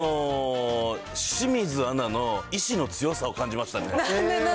あと、清水アナの意思の強さを感じましたね。